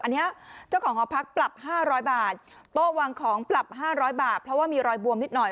อันนี้เจ้าของหอพักปรับ๕๐๐บาทโต๊ะวางของปรับ๕๐๐บาทเพราะว่ามีรอยบวมนิดหน่อย